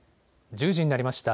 １０時になりました。